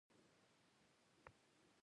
باسواده ښځې د ښوونکو په توګه دنده ترسره کوي.